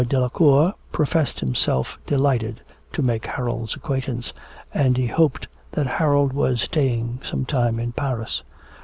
Delacour professed himself delighted to make Harold's acquaintance, and he hoped that Harold was staying some time in Paris.